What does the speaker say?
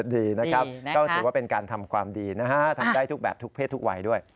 ดีนะครับก็ถือว่าเป็นการทำความดีนะฮะทำได้ทุกแบบทุกเพศทุกวัยด้วย